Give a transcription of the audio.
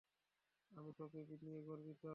আমি তোকে নিয়ে গর্বিত।